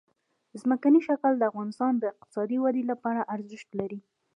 ځمکنی شکل د افغانستان د اقتصادي ودې لپاره ارزښت لري.